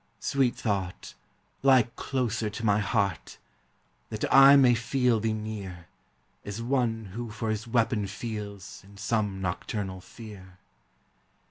Sweet thought, lie closer to my heart! That I may feel thee near, As one who for his weapon feels In some nocturnal fear.